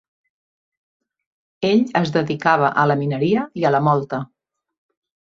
Ell es dedicava a la mineria i la mòlta.